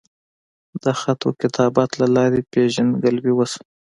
د خط وکتابت لۀ لارې پېژنګلو اوشوه